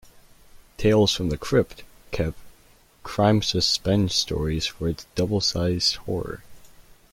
"Tales from the Crypt" kept "Crime SuspenStories" for its double sized horror.